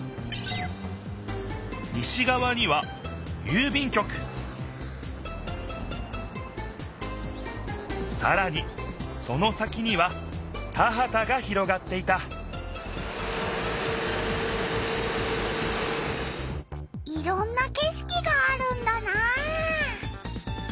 西がわには郵便局さらにその先には田はたが広がっていたいろんなけしきがあるんだなあ。